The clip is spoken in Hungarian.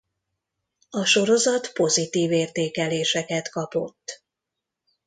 A sorozat pozitív értékeléseket kapott.